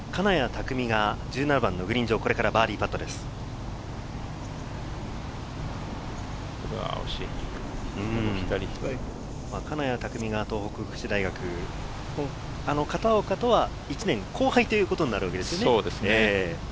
金谷拓実が東北福祉大学、片岡とは１年後輩ということになるわけですね。